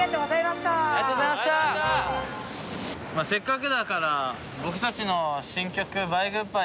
せっかくだから僕たちの新曲。